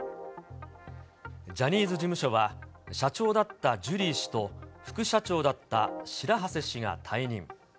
ジャニーズ事務所は、社長だったジュリー氏と、副社長だった白波瀬氏が退任。